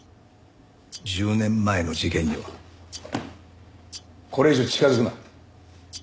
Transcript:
１０年前の事件にはこれ以上近づくな。